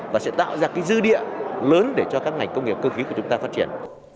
và sẽ tạo ra dư địa lớn để cho các ngành công nghiệp cơ khí của chúng ta phát triển